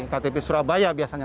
ktp surabaya biasanya